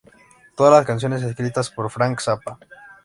Todas las canciones escritas por Frank Zappa.